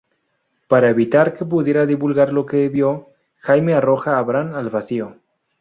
Para evitar que pudiera divulgar lo que vio, Jaime arroja a Bran al vacío.